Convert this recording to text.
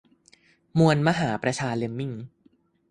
มวลมหาประชาเลมมิ่ง